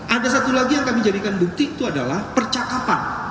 ada satu lagi yang kami jadikan bukti itu adalah percakapan